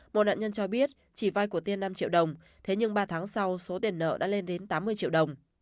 một nạn nhân cho biết chỉ vay của tiên năm triệu đồng thế nhưng ba tháng sau số tiền nợ đã lên đến tám mươi triệu đồng